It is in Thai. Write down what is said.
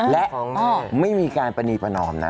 และไม่มีการประนีประนอมนะ